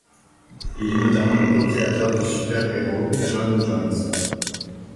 Il est notamment le co-créateur du super-héros J'onn J'onzz.